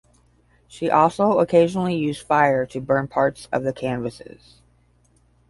She also occasionally used fire to burn parts of the canvases.